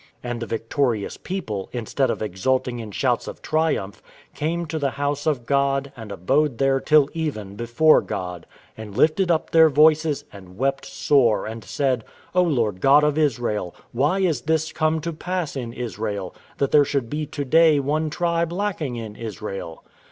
And the victorious people, instead of exulting in shouts of triumph, "came to the House of God, and abode there till even before God; and lifted up their voices, and wept sore, and said, O Lord God of Israel, why is this come to pass in Israel, that there should be to day one tribe lacking in Israel?"